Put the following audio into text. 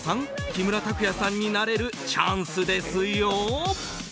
木村拓哉さんになれるチャンスですよ！